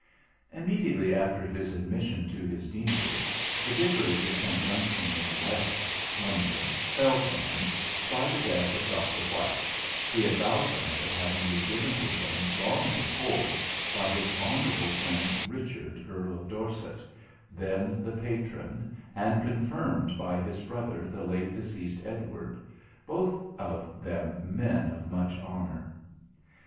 Immediately after his admission into his Deanery the Vicarage of St. Dunstan in the West, London, fell to him by the death of Dr. White, the advowson of it having been given to him long before by his honourable friend Richard Earl of Dorset, then the patron, and confirmed by his brother the late deceased Edward, both of them men of much honour.